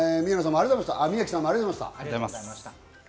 宮木さんもありがとうございました。